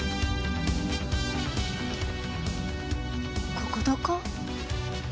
ここどこ！？